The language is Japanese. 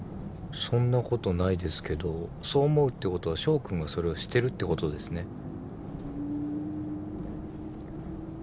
そんなことないですけどそう思うってことは翔君がそれをしてるってことですね。